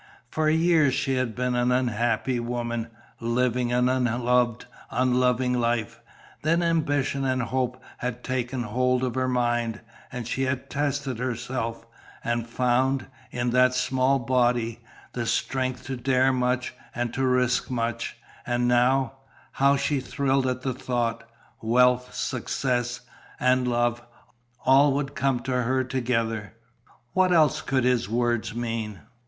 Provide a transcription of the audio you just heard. For years she had been an unhappy woman, living an unloved, unloving life. Then ambition and hope had taken hold of her mind, and she had tested herself, and found, in that small body, the strength to dare much, and to risk much; and now how she thrilled at the thought wealth, success, and love; all would come to her together. What else could his words mean?